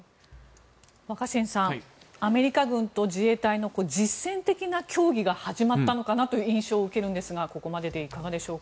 若新さん、アメリカ軍と自衛隊の実戦的な協議が始まったのかなという印象を受けるんですがここまででいかがでしょうか。